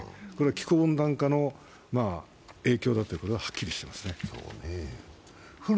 気候温暖化の影響だということははっきりしています。